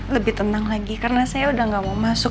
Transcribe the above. lebih tenang lagi karena saya udah gak mau masuk